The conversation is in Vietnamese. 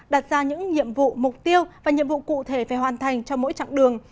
đặt ra những nhiệm vụ mục tiêu và nhiệm vụ cụ thể phải hoàn thành cho mỗi chặng đường